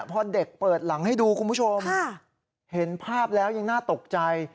พอเด็กเปิดหลังให้ดูคุณผู้ชมเห็นภาพแล้วยังน่าตกใจ